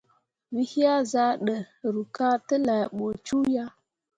We yea zah ɗə, ruu ka tə laa ɓə cuu ya.